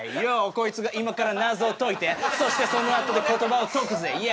こいつが今からなぞをといてそしてそのあとでことばをとくぜイエー！